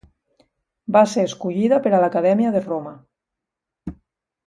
Va ser escollida per a l'Acadèmia de Roma.